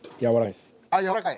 あっやわらかい。